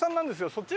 そっち？